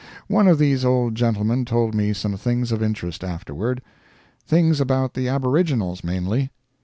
One of these old gentlemen told me some things of interest afterward; things about the aboriginals, mainly.